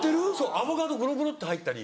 アボカドごろごろって入ったり。